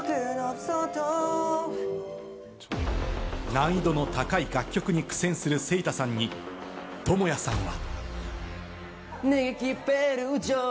難易度の高い楽曲に苦戦するセイタさんに、トモヤさんは。